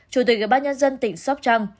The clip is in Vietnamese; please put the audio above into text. chủ tịch ủy ban nhân dân tỉnh sóc trăng